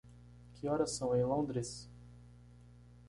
Que horas são em Londres?